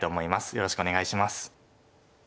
よろしくお願いします。